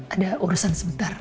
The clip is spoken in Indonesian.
ada urusan sebentar